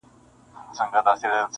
• خو لا دي سره دي لاسونه دواړه -